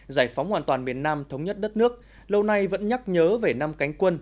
giải phóng hoàn toàn miền nam thống nhất đất nước lâu nay vẫn nhắc nhớ về năm cánh quân